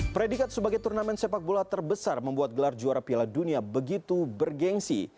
predikat sebagai turnamen sepak bola terbesar membuat gelar juara piala dunia begitu bergensi